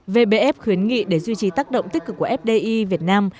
vbf khuyến nghị để duy trì tác động tích cực của fdi việt nam